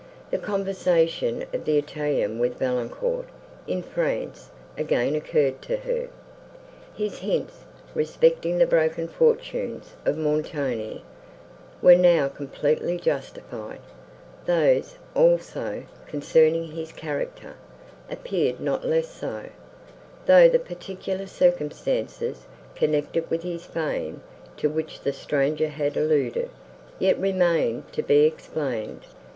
The conversation of the Italian with Valancourt, in France, again occurred to her. His hints, respecting the broken fortunes of Montoni, were now completely justified; those, also, concerning his character, appeared not less so, though the particular circumstances, connected with his fame, to which the stranger had alluded, yet remained to be explained.